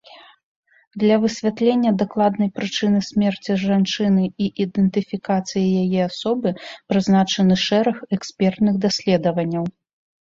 Для высвятлення дакладнай прычыны смерці жанчыны і ідэнтыфікацыі яе асобы прызначаны шэраг экспертных даследаванняў.